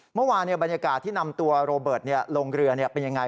เมื่อวานบรรยากาศที่นำตัวโรเบิร์ตลงเรือเป็นยังไง